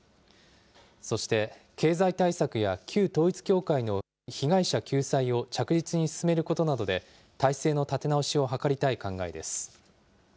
そして、経済対策や旧統一教会の被害者救済を着実に進めることなどで、体制の立て直しを図りたい考えです。